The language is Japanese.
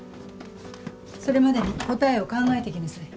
それまでに答えを考えてきなさい。